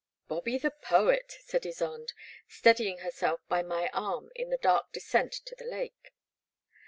Bobby the poet, said Ysonde, steadying her self by my arm in the dark descent to the lake.